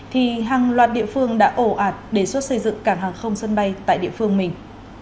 thì hàng loạt địa phương đã ổ ạt đề xuất xây dựng cảng hàng không sân bay tại địa phương mình